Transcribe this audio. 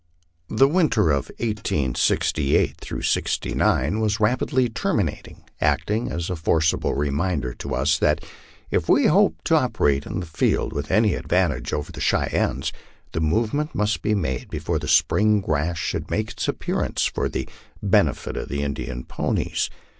The winter of ISGS 'SQ was rapidly terminating, acting as a forcible re minder to us that if we hoped to operate in the field with any advantage over the Cheyennes, the movement must be made before the spring grass should make its appearance for the benefit of the Indian ponies.